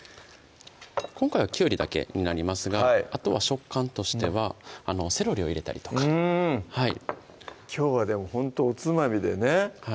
今回はきゅうりだけになりますがあとは食感としてはセロリを入れたりとかきょうはほんとおつまみでね